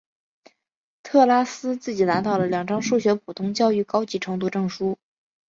特拉斯自己拿到了两张数学普通教育高级程度证书。